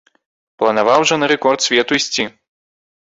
Планаваў жа на рэкорд свету ісці.